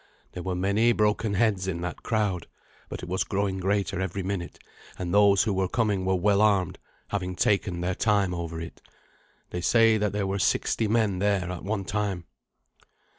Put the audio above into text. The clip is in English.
There were many broken heads in that crowd; but it was growing greater every minute, and those who were coming were well armed, having taken their time over it. They say that there were sixty men there at one time.